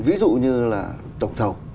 ví dụ như là tổng thầu